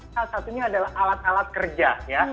salah satunya adalah alat alat kerja ya